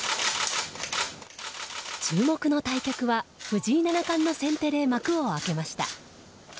注目の対局は藤井七冠の先手で幕を開けました。